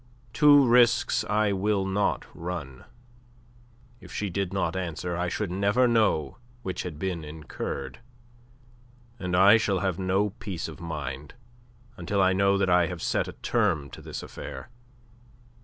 Two risks I will not run. If she did not answer, I should never know which had been incurred. And I shall have no peace of mind until I know that I have set a term to this affair.